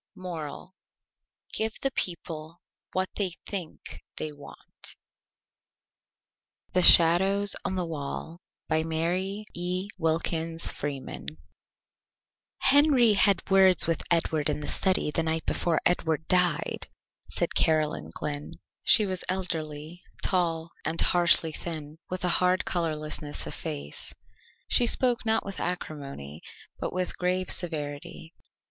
MORAL: Give the People what they Think they want. THE SHADOWS ON THE WALL By MARY E. WILKINS FREEMAN Copyright 1903 by Doubleday, Page & Co. "Henry had words with Edward in the study the night before Edward died," said Caroline Glynn. She was elderly, tall, and harshly thin, with a hard colourlessness of face. She spoke not with acrimony, but with grave severity.